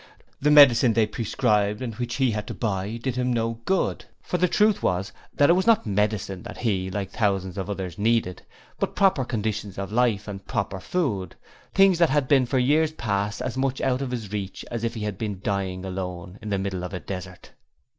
The medicine they prescribed and which he had to buy did him no good, for the truth was that it was not medicine that he like thousands of others needed, but proper conditions of life and proper food; things that had been for years past as much out of his reach as if he had been dying alone in the middle of a desert.